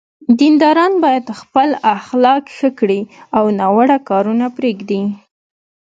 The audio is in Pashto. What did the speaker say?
دینداران باید خپل اخلاق ښه کړي او ناوړه کارونه پرېږدي.